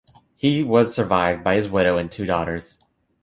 He was survived by his widow and two daughters.